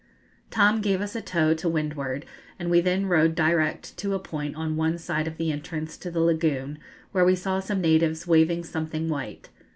Tom gave us a tow to windward, and we then rowed direct to a point on one side of the entrance to the lagoon, where we saw some natives waving something white.